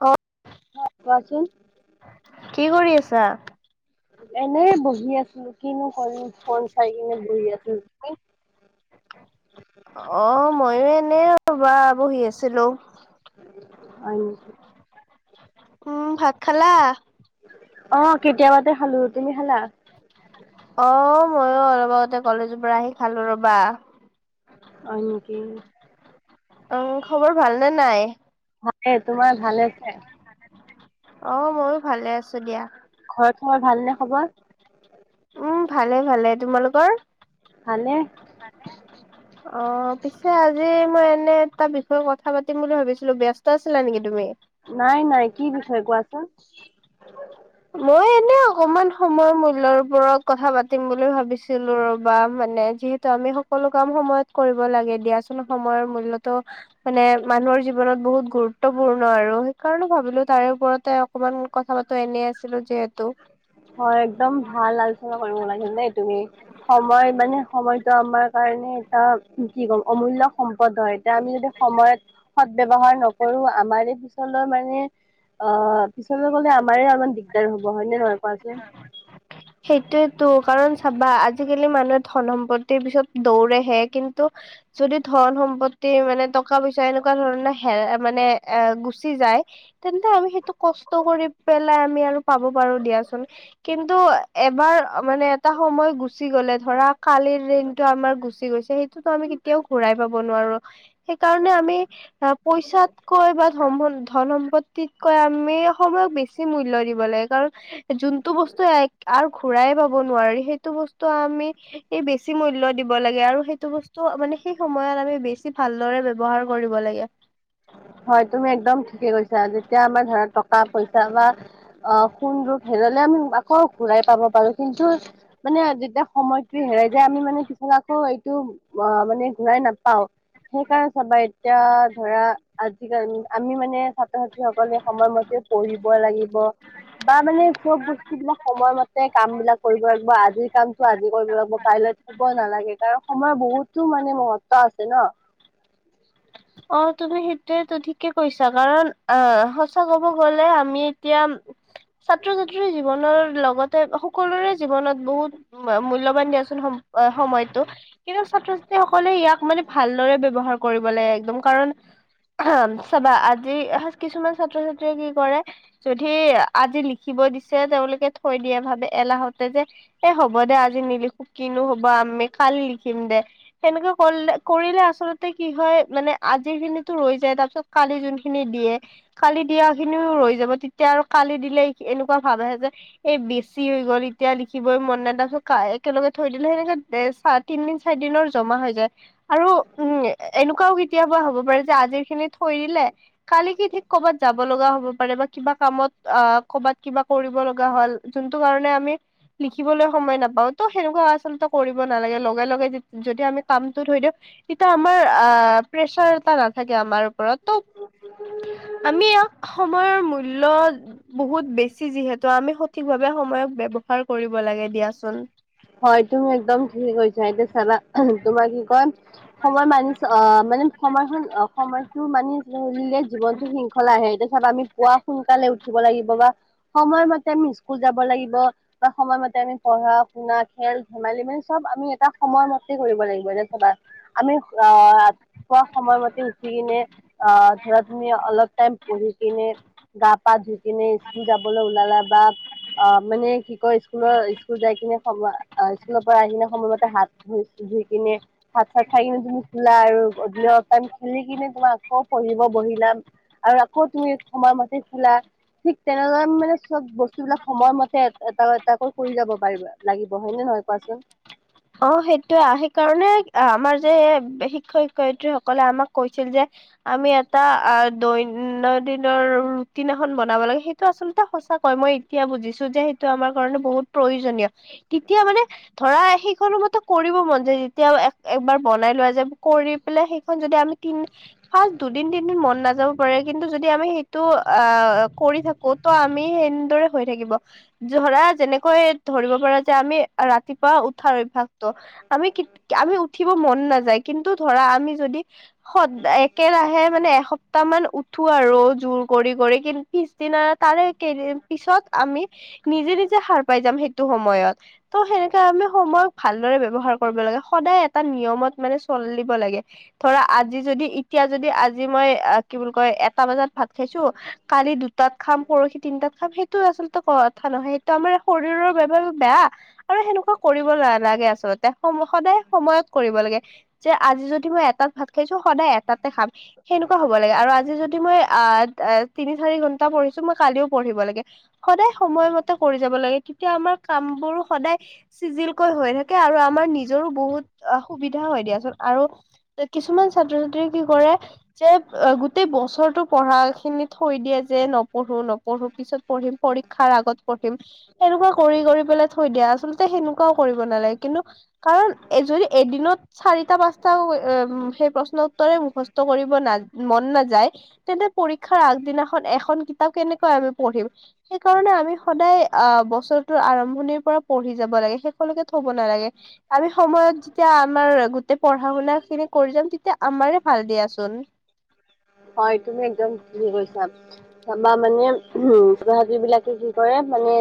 অ। অ কোৱাচোন। কি কৰি আছা? এনেই বহি আছিলো, কিনো কৰিম ফোন চাই কিনে বহি আছিলো। তুমি? অ মইয়ো এনে ৰ'বা বহি আছিলো। হয় নেকি? উম ভাত খালা? অ কেতিয়াবাতে খালো, তুমি খালা? [unintelligible] অ মইয়ো অলপ আগতে কলেজৰ পৰা আহি খালো ৰ'বা। হয় নেকি? অ খবৰ ভালনে নাই? ভালে তোমাৰ ভালে আছে অ ময়ো ভালে আছো দিয়া। ঘৰত তোমাৰ ভাল নে খবৰ? উম ভালে ভালে, তোমালোকৰ? ভালে। ভালে। অৱ, পিছে আজি মই এনে এটা বিষয়ে কথা পাতিম বুলি ভাবিছিলো ব্যস্ত আছিলা নেকি তুমি? নাই নাই কি বিষয় কোৱাচোন! মই এনে অকমান সময়ৰ মূল্যৰ ওপৰত কথা পাতিম বুলি ভাবিছো আছিলো ৰবা মানে যিহেতু আমি সকলো কাম সময়ত কৰিব লাগে দিয়াচোন সময়ৰ মূল্যতো মানে মানুহৰ জীৱনত বহুত গুৰুত্বপূৰ্ণ আৰু সেইকাৰণে ভাবিলো তাৰে ওপৰতে অকণমান কথা পাতো এনেই আছিলো যিহেতু। হয় একদম ভাল আলোচনা কৰিব ওলাইছ দেই তুমি। সময় মানে সময়টো আমাৰ কাৰণে এটা কি ক'ম অমূল্য সম্পদ হয়। এতিয়া আমি যদি সময়ত, সদ ব্যৱহাৰ নকৰো আমাৰ এই পিছলৈ মানে অহ পিছলৈ গলে আমাৰে অলপমান দিগদাৰ হ'ব হয় নে নহয় কোৱাচোন! সেইটোৱেতো কাৰণ চাবা আজিকালি মানুহে ধন সম্পত্তিৰ পিছত দৌৰেহে কিন্তু যদি ধন সম্পত্তি মানে টকা পইচা এনেকুৱা ধৰণৰ হে মানে এ গুচি যায়। তেন্তে আমি সেইটো কষ্ট কৰি পেলাই আমি আৰু পাব পাৰো দিয়াচোন, কিন্তু এবাৰ মানে এটা সময় গুচি গলে ধৰা কালিৰ দিনটো আমাৰ গুচি গৈছে সেইটোতো আমি কেতিয়াও ঘূৰাই পাব নোৱাৰোঁ। সেইকাৰণে আমি পইচাতকৈ বা ধন ধন সম্পদ তিতকৈ আমি সময়ক বেছি মূল্য দিব লাগে কাৰণ যোনটো বস্তু আৰু ঘূৰাই পাব নোৱাৰি সেইটো বস্তু আমি এই বেছি মূল্য দিব লাগে আৰু সেইটো বস্তু মানে সেই সময়ত আমি বেছি ভালদৰে ব্যৱহাৰ কৰিব লাগে। হয় তুমি একদম ঠিকে কৈছা, যেতিয়া আমাৰ ধৰা টকা পইচা বা অহ সোণ ৰূপ হেৰুৱালে আমি আকৌ ঘূৰাই পাব পাৰো। কিন্তু মানে যেতিয়া সময়টো হেৰাই যায় আমি মানে পিছত আকৌ এইটো অহ মানে ঘূৰাই নাপাওঁ, সেইকাৰণে চাবা এতিয়া ধৰা আজিকালি আমি মানে ছাত্ৰ ছাত্ৰীসকলে সময়মতে পঢ়িব লাগিব। বা মানে চ'ব বস্তু বিলাক সময়মতে কাম বিলাক কৰিব লাগিব, আজিৰ কামটো আজি কৰিব লাগিব কাইলৈ হ'ব নালাগে, কাৰণ সময়ৰ বহুতো মানে মহত্ব আছে ন। অহ তুমি সেইটোয়েটো ঠিকে কৈছা কাৰণ আহ সঁচা ক'ব গলে, আমি এতিয়া ছাত্ৰ-ছাত্ৰীৰ জীৱনৰ লগত সকলোৰে জীৱনত বহুত মূল্যবান দিয়াচোন সম সময়টো। কিন্তু ছাত্ৰ-ছাত্ৰী সকলে ইয়াক মানে ভালদৰে ব্যৱহাৰ কৰিব লাগে। একদম কাৰণ চাবা আজি কিছুমান ছাত্ৰ-ছাত্ৰীয়ে কি কৰে যদি আজি লিখিব দিছে, তেওঁলোকে থৈ দিয়ে ভাবে এলাহত যে এ হ'ব দে আজি নিলিখো কিনো হ'ব আমি কালি লিখিম দে। সেনেকা কৰিলে কৰিলে আচলতে কি হয় মানে আজি খিনিটো ৰৈ যায়। তাৰপিছত কালি যোনখিনি দিয়ে কালি দিয়া খিনিও ৰৈ যাব, তেতিয়া আৰু কালি দিলে এনেকুৱা ভাৱ আহে যে এই বেছি হৈ গ'ল এতিয়া লিখি লিখিবই মন নাই তাৰ পিছত কা একেলগে থৈ দিলে সেনেকে একেলগে তিনদিন চাৰিদিনৰ জমা হৈ যায়। আৰু উম এনেকুৱাও কেতিয়াবা হ'ব পাৰে যে আজিৰ খিনি থৈ দিলে। কালি কি ঠিক কৰ'বাত যাব লগা হ'ব পাৰে বা কিবা কামত, আহ ক'বাত কিবা কৰিব লগা হ'ল যোনটো কাৰণে আমি, লিখিবলৈ সময় নাপাওঁ, টো সেনেকুৱা আচলতে কৰিব নালাগে, লগে লগে য যদি আমি কামটো থৈ দিওঁ, তেতিয়া আমাৰ আহ প্ৰেচাৰ এটা থাকে আমাৰ ওপৰত, তো' আমি ইয়াক সময়ৰ মূল্য বহুত বেছি যিহেতু, আমি সঠিকভাৱে সময়ক ব্যৱহাৰ কৰিব লাগে দিয়াচোন। হয় তুমি একদম ঠিকেই কৈছা, এতিয়া চালা তোমাক কি মই, সময় মানিছো, আহ মানে সময়খন আহ সময়টো মানি চলিলে জীৱনটো শৃংখলা আহে, এতিয়া চাবা আমি পুৱা সোনকালে উঠি উঠিব লাগিব বা, সময়মতে আমি স্কুল যাব লাগিব, বা সময়মতে আমি পঢ়া শুনা, খেল ধেমালি মানে চব আমি এটা সময়মতে কৰিব লাগিব নে চাবা আমি আহ খোৱা সময় মতে উঠি কিনে, আহ ধৰা তুমি অলপ টাইম পঢ়ি কিনে গা পা ধুইকিনে, স্কুল যাবলৈ ওলালা বা আহ, মানে কি কয় স্কুলৰ স্কুল যাই কিনে সময়, অ', স্কুলৰ পৰা আহিলে সময়মতে হাত ধুই, ধুই কিনে ভাত চাত খাই কিনে তুমি শুলা আৰু, গধূলি খেলি কিনে তোমাৰ আকৌ পঢ়িব বহিলা আৰু আকৌ তুমি সময় মতে শুলা। ঠিক তেনেদৰে, মানে চব বস্তু বিলাক সময়মতে এটা এটাকৈ কৰি যাব পাৰিবা। লাগিব হয়নে নহয় কোৱাচোন। অ', সেইটোয়ে, সেইকাৰণে আমাৰ যে শিক্ষক শিক্ষয়িত্ৰী সকলে আমাক কৈছিল যে আমি এটা দৈনন্দনৰ ৰুটিন এখন বনাব লাগে, সেইটো আচলতে সচা মই এতিয়া বুজিছো যে, সেইটো আমাৰ কাৰণে বহুত প্ৰয়োজনীয়, তেতিয়া মানে ধৰা মৰ মতে কৰিব মন যায়, যেতিয়া এক একবাৰ বনাই লোৱা যায় কৰি পেলাই সেইখন যদি তিন, ফাচ দুদিন তিনদিন মন নাযাব পাৰে, কিন্তু যদি আমি সেইটো আহ, কৰি থাকো ত' আমি সেনেদৰে হৈ থাকিব, ধৰা যেনেকৈ ধৰিব পাৰা যে আমি ৰাতিপুৱা উঠাৰ অভয়াস ত', আমি, আমি উঠিব মন নাযায়, কিন্তু ধৰা আমি যদি সদায়, একেৰাহে মানে এস তাৰমানে উঠো আৰু জোৰ কৰি কৰি, কিন্তু পিছদিনা তাৰে কেইদিন পিছত আমি নিজে নিজে, সাৰ পাই যাম সেইটো সময়ত, ত' সেনেকে আমি সময় ভাল ভালদৰে ব্যৱহাৰ কৰিব লাগে, সদায় এটা নিয়মত মানে চলিব লাগে ধৰা আজি যদি এতিয়া যদি আজি মই, কি বুলি কয় এটা বজাত ভাত খাইছো কালি দুটাত খাম, পৰহি তিনটাত খাম, সেইটো আচলতে কথা নহয়, সেইটো আমাৰ শৰীৰৰ বাবে বেয়া আৰু সেনেকুৱা কৰিব নালাগে আচলতে, সম সদায় সময়ত কৰিব লাগে যে আজি যদি মই এটাত ভাত খাইছো, সদায় এটাতে খাম সেনেকুৱা হ'ব লাগে, আৰু আজি যদি আহ তিনি চাৰি ঘন্টা পঢ়িছো, মই কালিও পঢ়িব লাগে। সদায় সময়মতে কৰি যাব লাগে, তেতিয়া আমাৰ কাম বোৰো সদায় চিজিলকৈ হৈ থাকে, আৰু আমাৰ নিজৰো বহুত সুবিধা দিয়াচোন, আৰু কিছুমান ছাত্ৰ ছাত্ৰী কি কৰে যে গোটেই বছৰটো পঢ়া খিনি থৈ দিয়ে, যে নপঢ়ো নপঢ়ো পিছত পঢ়িম পৰীক্ষাৰ আগত পঢ়িম, সেনেকুৱা কৰি কৰি পেলাই থৈ দিয়ে আচল সেনেকুৱাও কৰিব নালাগে, কিন্তু, কাৰণ যদি এদিনত চাৰিটা পাঁচ সেই প্ৰশ্ন উত্তৰে মুখস্থ কৰিব ন মন নাযায় তেন্তে পৰীক্ষাৰ আগদিনাখন এখন কিতাপ কেনেকৈ আমি পঢ়িম। সেই কাৰণে আমি সদায় অ', বছৰটোৰ আৰম্ভণিৰ পৰা পঢ়ি যাব লাগে শেষৰলৈকে থ'ব নালাগে। সময়ত যেতিয়া আমাৰ গোটেই পঢ়া-শুনা খিনি কৰি যাম, তেতিয়া আমাৰে ভাল দিয়াচোন। হয়, তুমি একদম থিকে কৈছা। আমাৰ মানে উহ, ছাত্ৰ-ছাত্ৰী বিলাকে কি কৰে মানে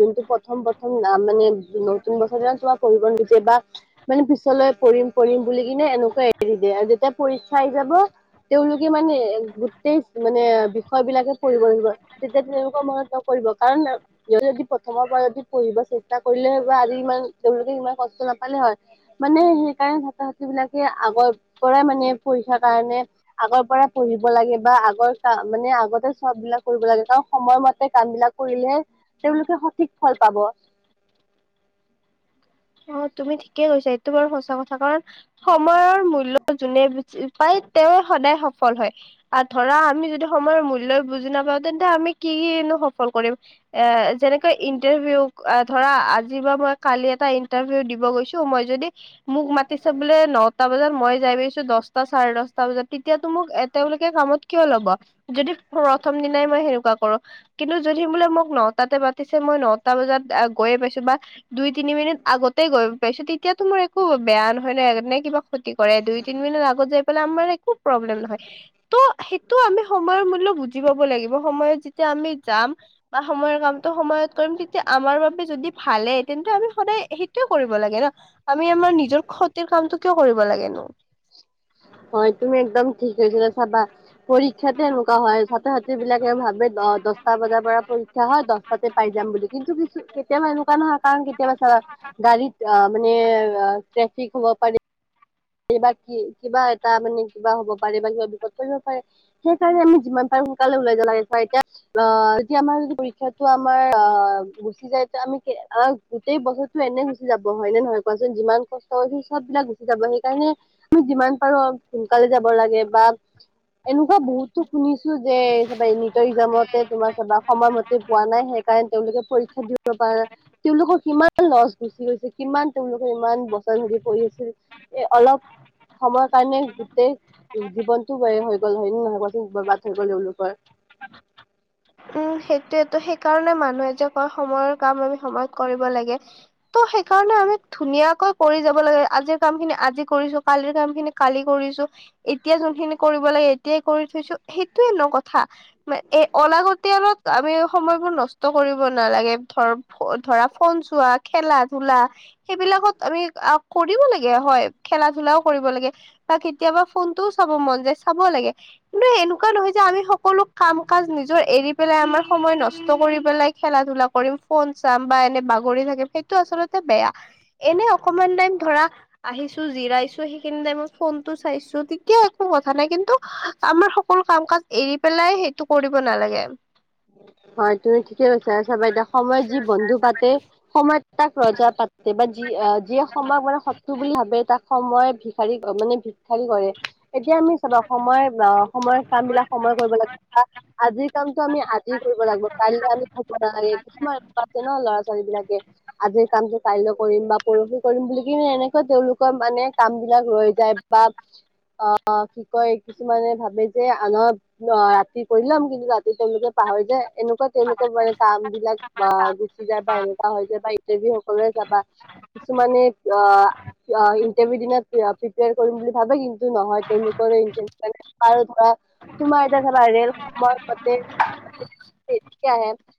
যোনটো প্ৰথম প্ৰথম মানে নতুন বছৰ [unintelligible] মানে পিছলৈ পঢ়িম পঢ়িম বুলি কিনে এনেকুৱা এৰি দিয়ে আৰু যেতিয়া পৰীক্ষা আহি যাব। তেওঁলোকে মানে গোটেই মানে বিষয় বিলাকে পঢ়িব লাগিব। তেতিয়া তেওঁলোকৰ মনত নপৰিব কাৰণ যদি সিহঁতি প্ৰথমৰ পৰা যদি পঢ়িব চেষ্টা কৰিলে হয়, বা আজি ইমান তেওঁলোকে ইমান কষ্ট নাপালে হয়। মানে সেইকাৰণে ছাত্ৰ-ছাত্ৰী বিলাকে আগৰ পৰাই মানে পৰীক্ষাৰ কাৰণে আগৰ পৰা পঢ়িব লাগে বা আগৰ কাম মানে আগতে চ'ব বিলাক পঢ়িব লাগে কাৰণ সময়মতে কাম বিলাক কৰিলে তেওঁলোকে সঠিক ফল পাব। অ', তুমি ঠিকেই কৈছা এইটো বাৰু সঁচা কথা, কাৰণ সময়ৰ মূল্য যোনে বুজি পায় তেওঁৱেই সদায় সফল হয়। আৰু ধৰা আমি যদি সময়ৰ মূল্যই বুজি নাপাওঁ তেন্তে আমি কিনো সফল কৰিম। এ যেনেকৈ ইন্টাৰভিউ ধৰা আজি বা মই কালি এটা ই ইণ্টাৰভিউ দিব গৈছো, মই যদি মোক মাতিছে বোলে নটা বজাত মই যাই পাইছো দশটা চাৰে দশটা বজাত তেতিয়াতো মোক এ তেওঁলোকে কামত কিয় ল'ব, যদি প্ৰথম দিনাই মই সেনেকুৱা কৰোঁ। কিন্তু যদি বোলে মোক নটাতে মাতিছে মই নটা বজাত গৈ পাইছো বা দুই তিনি মিনিট আগতেই গৈ পাইছো তেতিয়াতো মোৰ একো বেয়া নহয় নহয় নে কিবা ক্ষতি কৰে দুই তিন মিনিট আগত যাই পেলাই আমাৰে একো প্ৰব্লেম নহয় ত' সেইটো আমি সময়ৰ মূল্য বু জি পাব লাগিব সময়ত যেতিয়া আমি যাম বা সময়ৰ কামটো সময়ত কৰিম, তেতিয়া আমাৰ বাবে যদি ভালে তেন্তে আমি সদায় সেইটোৱে কৰিব লাগে ন' আমি আমাৰ নিজৰ ক্ষতিৰ কামটো কিয় কৰিব লাগেনো। হয় তুমি একদম ঠিকে কৈছা চাবা। পৰীক্ষাতে এনেকুৱা হয়, ছাত্ৰ-ছাত্ৰী বিলাকে ভাবে দ-দহটা বজাৰ পৰা পৰীক্ষা হয়, দহ তাতে পাই যাম বুলি কিন্তু কিছু কেতিয়াবা এনেকুৱা নহয়। কাৰণ কেতিয়াবা চাবা গাড়ীত অ', মানে ট্ৰেফিক হ'ব পাৰে। কিবা কি কিবা এটা মানে কিবা হ'ব পাৰে বা কিবা বিপদ পৰিব পাৰে। সেইকাৰণে আমি যিমান পাৰো সোনকালে ওলাই যাব লাগে এতিয়া অ', যদি আমাৰ যদি পৰীক্ষাটো আমাৰ অ', গুচি যায় তে আমি কে [unintelligible] গোটেই বছৰটো এনে গুচি যাব হয় নে নহয় কোৱাচোন, যিমান কষ্ট কৰিছো চব বিলাক গুচি যাব, সেই সেইকাৰণে আমি যিমান পাৰো সোনকালে যাব লাগে বা এনেকুৱা বহুত তো শুনিছো যে চাবা নিটৰ একজামতে তোমাৰ চাবা সময়মতে পোৱা নাই সেইকাৰণে তেওঁলোকে পৰীক্ষা দিব পৰা নাই। তেওঁলোকৰ কিমান লছ গুচি গৈছে কিমান তেওঁলোকৰ ইমান বছৰ ধৰি পঢ়ি আছিল। এ অলপ সময়ৰ কাৰণে গোটেই জীৱনতো বেয়া হৈ গ'ল হয় নে নহয় কোৱাচোন, বৰবাদ হৈ গ'ল তেওঁলোকৰ? উম, সেইটোয়েটো সেইকাৰণে মানুহে যে কয় সময়ৰ কাম আমি সময়ত কৰিব লাগে। ত' সেইকাৰণে আমি ধুনীয়াকৈ কৰি যাব লাগে, আজিৰ কাম খিনি আজি কৰিছো কালিৰ কাম খিনি কালি কৰিছো এতিয়া যোনখিনি কৰিব লাগে এতিয়াই কৰি থৈছো, সেইটোয়ে ন' কথা! মে এ অলাগত তেয়লত আমি সময়বোৰ নষ্ট কৰিব নালাগে ধৰা ফোন চোৱা খেলা ধূলা সেইবিলাকত আমি আ কৰিবও লাগে হয় খেলা ধূলাও কৰিব লাগে বা কেতিয়াবা ফোনটোও চাব মন যায় চাব লাগে কিন্তু এনেকুৱা নহয় যে আমি সকলো কাম কাজ নিজৰ এৰি পেলাই আমাৰ সময় নষ্ট কৰি পেলাই খেলা ধূলা কৰিম ফোন চাম বা এনে বাগৰি থাকিম সেইটো আচলতে বেয়া এনে আ অকমান টাইম ধৰা আহিছো জিৰাইছ চো সেইখিনি টাইমত ফোনটো চাইছো তেতিয়া একো কথা নাই কিন্তু আমাৰ সকলো কাম কাজ এৰি পেলাই সেই টো কৰিব নালাগে হয় তুমি ঠিকে কৈছা চাবা এতিয়া সময়ত যি বন্ধু পাতে সময়ত তাক ৰজা পাতে বা যি যিয়ে সময়ক মানে শত্ৰু বুলি ভাবে তাক সময়ে ভিক্ষাৰী ক মানে ভিক্ষাৰী কৰে এতিয়া আমি চাবা সময় বা সময়ৰ কাম বিলাক সময়ত কৰিব লাগে বা আজিৰ কামটো আমি আ জি কৰিব লাগিব কাইলে আমি থ'ব নালাগে কিছুমান আছে ন ল'ৰা ছোৱালী বিলাকে আজিৰ কামটো কাইলৈ কৰিম বা পৰহি কৰিম বুলি কিনে এনেকে তেওলোকৰ মানে কাম বিলাক ৰৈ যায় বাত অ কি কয় কিছুমানে ভাবে যে আনৰ নহ ৰাতি কৰি ল'ম কিন্তু ৰাতি তেওঁলোকে পাহৰি যায় এনেকুৱা তেওঁলোকৰ মানে কাম বিলাক বা গুচি যায় বা এনেকুৱা পা হৈ যায় বা ইণ্টাৰ্ভিউ সকলোৱে যাবা কিছুমানে অ উৱা ইন্টাৰভিউ দিনা আ প্ৰিপিয়াৰ কৰিম বুলি ভাবে কিন্তু নহয় তেওঁলোকৰ ইন্তেনচন বাৰু ধৰা তোমাৰ এটা ধৰা ৰেল সময় মতে েে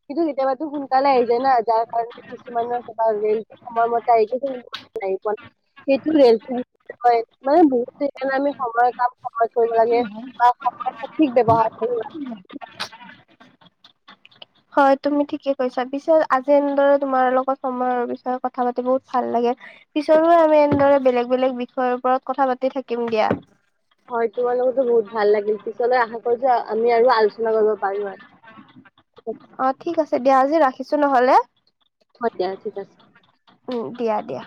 কিন্তু কেতিয়াাবা তো সোনকালে আহজ ন যাৰ কাৰণ [unintelligible] কিছুমানৰ ৰে সময়মতে আহিৈছেোৱাাই [unintelligible] সেইটো ৰে মানে বহুত আমি সময়ৰ কাম কৰিব লাগে বা সময়ৰ সঠিক ব্যৱহাৰ কৰিব লাগে হয় তুমি ঠিকে কৈছা পিছে আজি এনেদৰে তোমাৰ লগত সময়ৰ বিষয়ে কথা পাতি বহুত ভাল লাগে পিছৰো আমি এনেদৰে বেলেগ বেলেগ বিষয়ৰ ওপৰত কথা পাতি থাকিম দিয়া হয় তোমাৰ লগতো বহুত ভাল লাগিল পিছলৈ আশা কৰিছোঁ আমি আৰু আলোচনা কৰিব পাৰোঁ আৰু অ ঠিক আছে দিয়া আজি ৰাখিছো ন'হলে হয় দিয়া ঠিক আছে উম দিয়া দিয়া